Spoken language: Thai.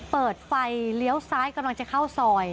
เปิดไฟเลี้ยวซ้ายกำลังจะเข้าซอย